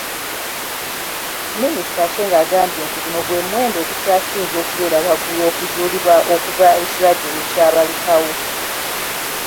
Minisita Aceng yagambye nti, guno gwe muwendo ogukyasinze okubeera waggulu okuzuulibwa okuva ekirwadde lwe kyabalukawo.